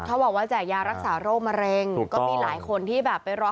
เขาบอกว่าแจกยารักษาโรคมะเร็งก็มีหลายคนที่แบบไปรอ